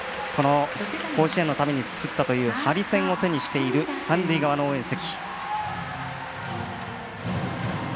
甲子園のために作ったというハリセンを手にしている三塁側の応援席。